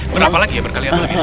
berapa lagi ya berkali atuh kali